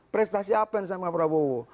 prestasi apa yang sama prabowo